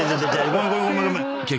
ごめんごめんごめんごめん。